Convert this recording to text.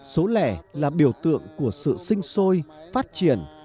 số lẻ là biểu tượng của sự sinh sôi phát triển